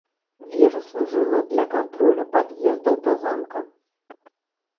Вежа служыла для кантролю пад'ездаў да замка.